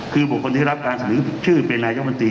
คือบุคคลที่รับการสนึกชื่อเป็นนายบันทรีย์